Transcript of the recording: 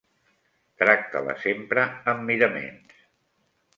Tracta-la sempre am miraments